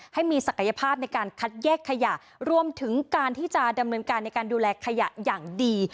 ให้มีศักยภาพในการคัดแยกขยะรวมถึงการที่จะดำเนินการในการดูแลขยะอย่างดี